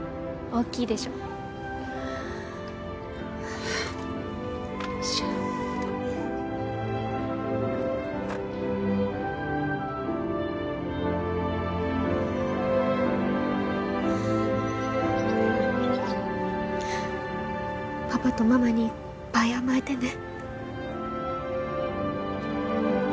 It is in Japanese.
よいしょパパとママにいっぱい甘えてね